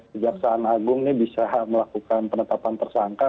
kejaksaan agung ini bisa melakukan penetapan tersangka